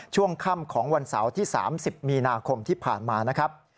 ช่วงค่ำของวันเสาร์ที่๓๐มีนาคมที่ผ่านมานะครับ